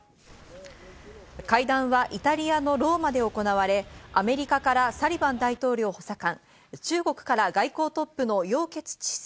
会談はイタリアのローマで行われ、アメリカからサリバン大統領補佐官、中国から外交トップのヨウ・ケツチ